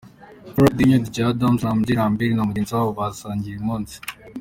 Faruk Dinho, Dj Adams, Lam G Lambert na mugenzi wabo basangiye uyu munsi.